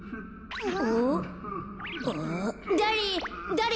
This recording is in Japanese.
・だれ？